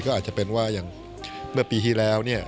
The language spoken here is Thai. ก็อาจจะเป็นว่าอย่างเมื่อปีที่แล้วเนี่ย